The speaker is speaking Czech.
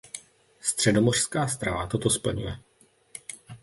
Středomořská strava toto splňuje.